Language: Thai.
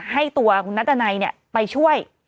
ให้ตัวนัตตนัยเนี่ยไปช่วย